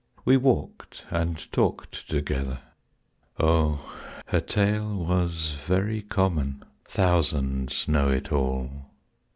We walked and talked together. O her tale Was very common; thousands know it all!